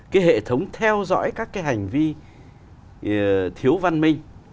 cái hệ thống theo dõi các cái hành vi thiếu văn minh